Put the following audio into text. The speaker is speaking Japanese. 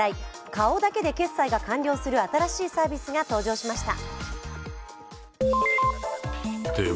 顔だけで決済が完了する新しいサービスが誕生しました。